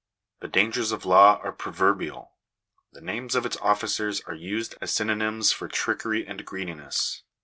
The dangers of law are proverbial. The names of its officers are used as synonymes for trickery and greediness.